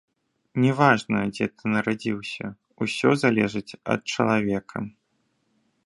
Не важна, дзе ты нарадзіўся, усё залежыць ад чалавека.